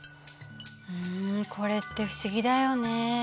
ふんこれって不思議だよね。